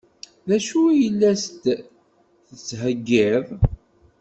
D acu i la s-d-tettheggiḍ?